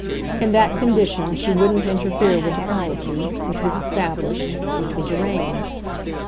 In that condition she wouldn't interfere with the policy, which was established, which was arranged.